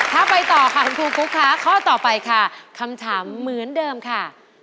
ถ้าไปต่อค่ะคุณครูฟุ๊กคะข้อต่อไปค่ะคำถามเหมือนเดิมค่ะ